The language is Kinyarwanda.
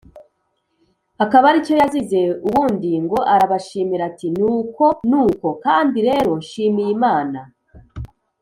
akaba ari cyo yazize, ubundi ngo arabashimira ati: "Ni uko ni uko, kandi rero nshimiye Imana